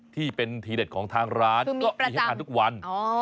ที่เป็นทีเด็ดของทางร้านก็มีให้ทานทุกวัน